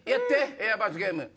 エア罰ゲーム。